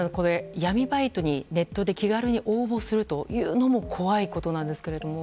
闇バイトにネットで気軽に応募するというのも怖いことですが。